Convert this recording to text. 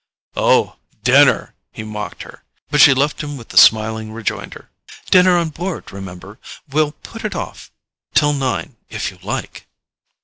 "Oh, DINNER——" he mocked her; but she left him with the smiling rejoinder: "Dinner on board, remember; we'll put it off till nine if you like."